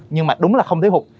nhưng mà đúng là không thiết hụt